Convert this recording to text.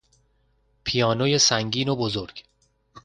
پیانوی سنگین و بزرگ